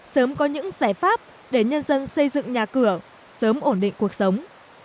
sớm có những giải pháp để nhân dân xây dựng nhà cửa sớm ổn định cuộc sống